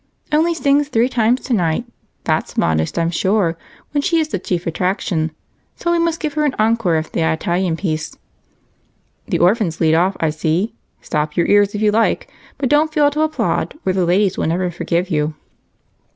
"Only sings three times tonight; that's modest, I'm sure, when she's the chief attraction, so we must give her an encore after the Italian piece." "The orphans lead off, I see. Stop your ears if you like, but don't fail to applaud or the ladies will never forgive you."